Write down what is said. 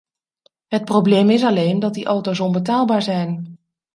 Het probleem is alleen dat die auto's onbetaalbaar zijn.